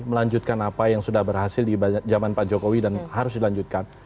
melanjutkan apa yang sudah berhasil di zaman pak jokowi dan harus dilanjutkan